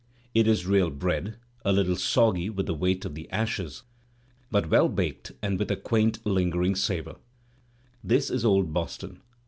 It is real bread, a little . soggy with the weight of the ashes, but well baked and with a quaint lingering savour. This is old Boston.